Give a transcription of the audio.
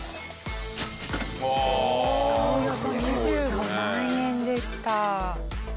およそ２５万円でした。